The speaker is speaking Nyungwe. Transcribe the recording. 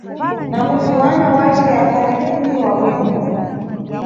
Nakuti wana wace akhali lini wa bwino.